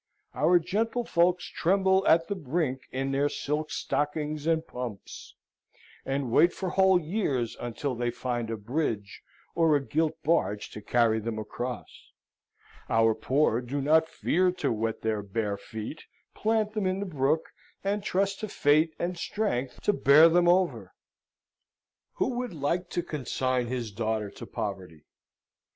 Our gentlefolks tremble at the brink in their silk stockings and pumps, and wait for whole years, until they find a bridge or a gilt barge to carry them across; our poor do not fear to wet their bare feet, plant them in the brook, and trust to fate and strength to bear them over. Who would like to consign his daughter to poverty?